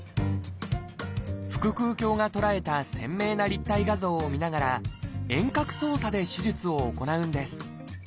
腹腔鏡が捉えた鮮明な立体画像をみながら遠隔操作で手術を行うんです